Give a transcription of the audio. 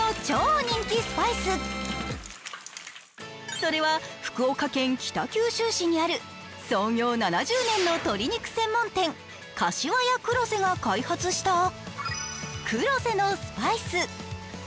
それは福岡県北九州市にある創業７０年の鶏肉専門店が界初した黒瀬のスパイス。